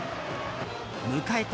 迎えた